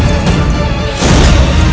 ketika kanda menang kanda menang